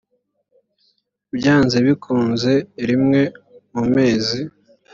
byanze bikunze rimwe mu mezi